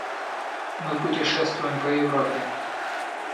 Мы путешествуем по Европе.